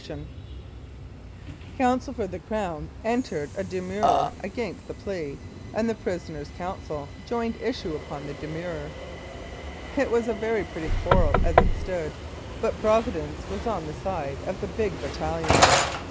192 Louis Riel: Executed for Treason Counsel for the Crown entered a demurrer against this plea, and the prisoner's counsel joined issue upon the demurrer. It was a very pretty quarrel as it stood, but Provi dence was on the side of the big battalions.